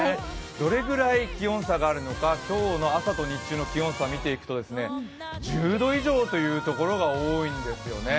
どれぐらい気温差があるのか今日と朝の日中の気温差見ていくと１０度以上という所が多いんですよね。